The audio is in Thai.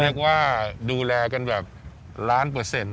เรียกว่าดูแลกันแบบล้านเปอร์เซ็นต์